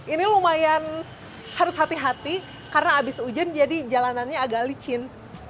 ini lumayan harus hati hati karena habis hujan jadi jalanannya agak licin